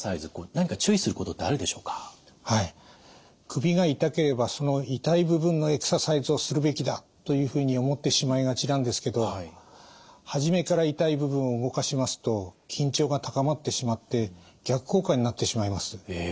首が痛ければその痛い部分のエクササイズをするべきだというふうに思ってしまいがちなんですけど初めから痛い部分を動かしますと緊張が高まってしまって逆効果になってしまいます。